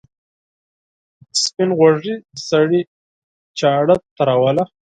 سپین غوږي سړي چاړه تېروله.